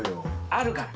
あるから。